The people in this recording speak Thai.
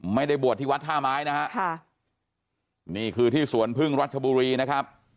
ไม่ได้บวชที่วัดท่าไม้นะฮะค่ะนี่คือที่สวนพึ่งรัชบุรีนะครับ